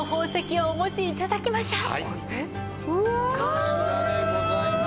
こちらでございます。